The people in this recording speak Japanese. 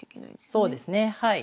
そうですねはい。